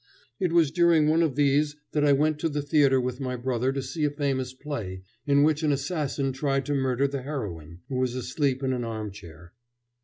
It was during one of these that I went to the theatre with my brother to see a famous play in which an assassin tried to murder the heroine, who was asleep in an armchair.